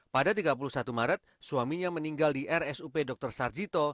pada tiga puluh satu maret suaminya meninggal di rsup dr sarjito